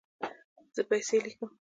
زه پیسې لیکم